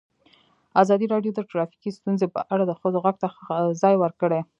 ازادي راډیو د ټرافیکي ستونزې په اړه د ښځو غږ ته ځای ورکړی.